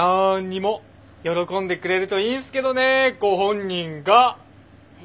喜んでくれるといいんすけどねご本人が。え？